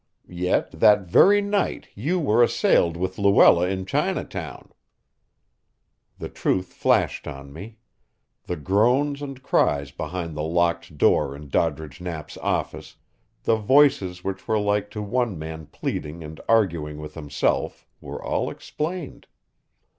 Yet that very night you were assailed with Luella in Chinatown." The truth flashed on me. The groans and cries behind the locked door in Doddridge Knapp's office, the voices which were like to one man pleading and arguing with himself, were all explained.